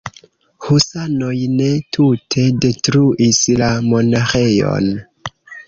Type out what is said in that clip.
Husanoj ne tute detruis la monaĥejon.